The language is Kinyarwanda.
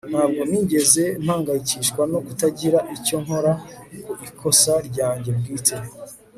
ntabwo nigeze mpangayikishwa no kutagira icyo nkora ku ikosa ryanjye bwite